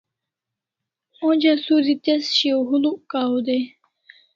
Onja suri tez shiaw huluk kaw day